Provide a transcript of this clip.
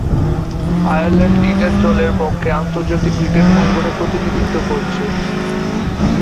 Ireland cricket দলের পক্ষে আন্তর্জাতিক ক্রিকেট অঙ্গনে প্রতিনিধিত্ব করছেন।